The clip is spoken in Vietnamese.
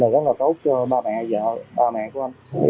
rất là tốt cho ba mẹ vợ ba mẹ của anh